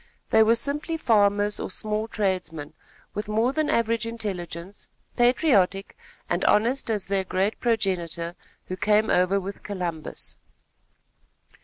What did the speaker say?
They were simply farmers or small tradesmen, with more than average intelligence, patriotic and honest as their great progenitor, who came over with Columbus.